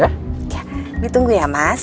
ya ditunggu ya mas